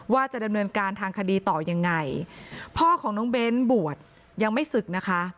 ว่าจะดำเนินการทางคดีต่อยังไงพ่อของน้องเบ้นบวชยังไม่ศึกนะคะ